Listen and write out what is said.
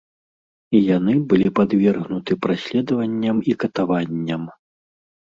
І яны былі падвергнуты праследаванням і катаванням.